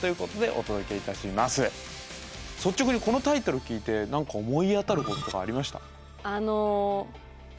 率直にこのタイトル聞いて何か思い当たることとかありました？